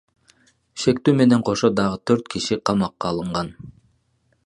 Шектүү менен кошо дагы төрт киши камакка алынган.